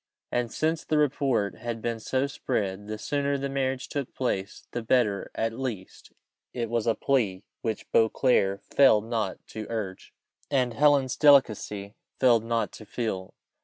And since the report had been so spread, the sooner the marriage took place the better; at least, it was a plea which Beauclerc failed not to urge, and Helen's delicacy failed not to feel.